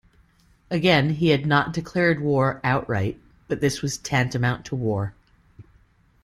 Again, he had not declared war outright - but this was tantamount to war.